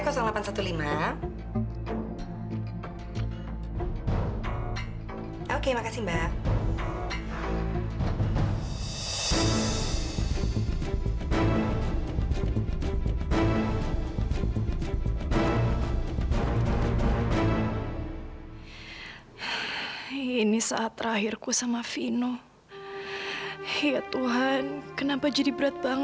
oke makasih mbak